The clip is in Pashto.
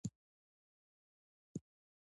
کورس ښه دی.